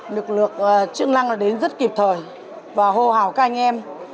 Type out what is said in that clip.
lực lượng chức năng đã đến rất kịp thời và hô hào các anh em